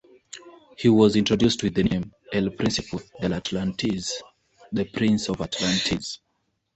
He was introduced with the nickname "El Principe del Atlantis" ("The Prince of Atlantis").